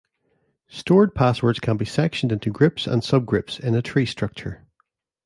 Stored passwords can be sectioned into groups and subgroups in a tree structure.